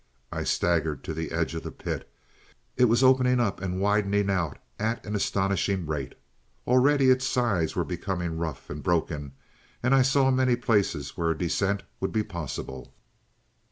I staggered to the edge of the pit. It was opening up and widening out at an astounding rate. Already its sides were becoming rough and broken, and I saw many places where a descent would be possible.